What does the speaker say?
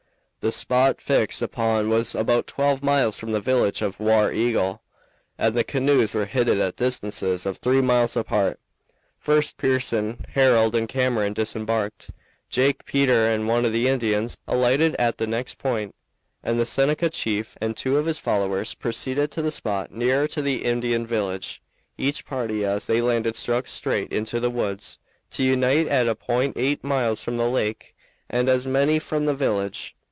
The spot fixed upon was about twelve miles from the village of War Eagle, and the canoes were hidden at distances of three miles apart. First Pearson, Harold, and Cameron disembarked; Jake, Peter, and one of the Indians alighted at the next point; and the Seneca chief and two of his followers proceeded to the spot nearer to the Indian village. Each party as they landed struck straight into the woods, to unite at a point eight miles from the lake and as many from the village.